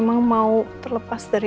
gak ada siapa sendiri